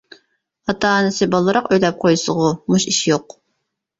ئاتا-ئانىسى بالدۇرراق ئۆيلەپ قويسىغۇ مۇشۇ ئىش يوق.